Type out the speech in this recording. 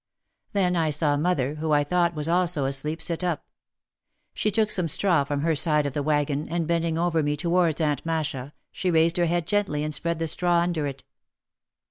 Then I saw mother, who I thought was also asleep, sit up. She took some straw from her side of the wagon and bending over me towards Aunt Masha she raised her head gently and spread the straw under it.